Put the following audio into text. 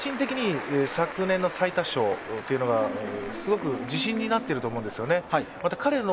もちろん精神的に昨年の最多勝というのがすごく自信になってると思うんです。